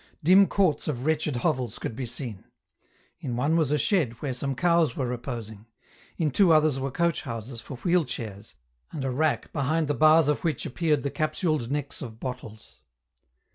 Dim courts of wretched hovels could be seen ; in one was a shed where some cows were reposing ; in two others were coach houses for wheel chairs, and a rack behind the bars of which appeared the capsuled necks of bottles.